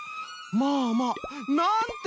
まあまあ！なんて